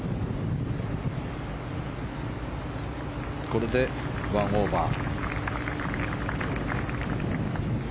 これで１オーバー。